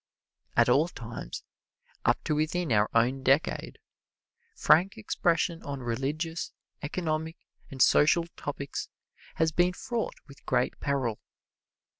At all times, up to within our own decade, frank expression on religious, economic and social topics has been fraught with great peril.